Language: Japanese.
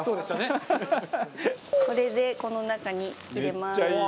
松本：これでこの中に入れます。